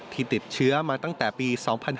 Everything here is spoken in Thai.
ที่ติดเชื้อมาตั้งแต่ปี๒๕๕๙